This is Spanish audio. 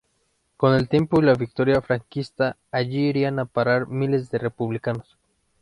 Con el tiempo y la victoria franquista, allí irían a parar miles de republicanos.